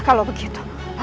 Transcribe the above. aku akan melihatnya